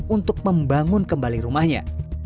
untuk membangun kembali rumahnya